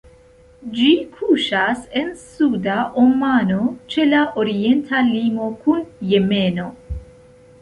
Ĝi kuŝas en Suda Omano, ĉe la orienta limo kun Jemeno.